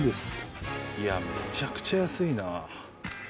いやめちゃくちゃ安いな。